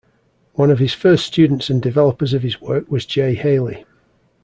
One of his first students and developers of his work was Jay Haley.